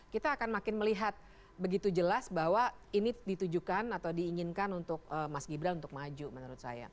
kita akan makin melihat begitu jelas bahwa ini ditujukan atau diinginkan untuk mas gibran untuk maju menurut saya